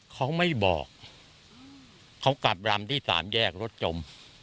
เขาไม่บอกเขากลับรำที่สามแยกรถจม